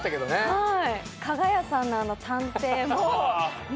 はい。